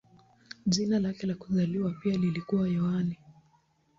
Jina lake la kuzaliwa pia lilikuwa Yohane.